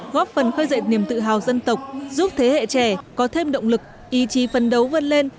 góp phần khơi dậy niềm tự hào dân tộc giúp thế hệ trẻ có thêm động lực ý chí phân đấu vươn lên